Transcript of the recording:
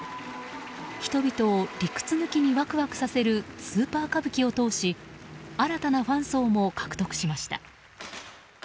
人々を理屈抜きにワクワクさせる「スーパー歌舞伎」を通し新たなファン層も獲得しました。